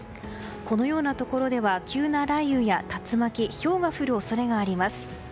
このようなところでは急な雷雨や竜巻ひょうが降るところもあります。